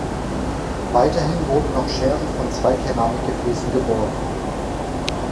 Weiterhin wurden noch Scherben von zwei Keramik-Gefäßen geborgen.